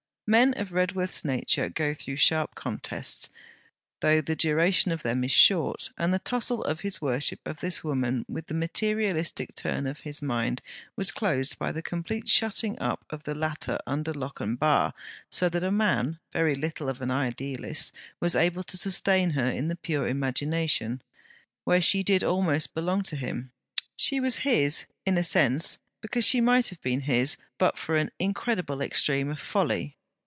Men of Redworth's nature go through sharp contests, though the duration of them is short, and the tussle of his worship of this woman with the materialistic turn of his mind was closed by the complete shutting up of the latter under lock and bar; so that a man, very little of an idealist, was able to sustain her in the pure imagination where she did almost belong to him. She was his, in a sense, because she might have been his but for an incredible extreme of folly.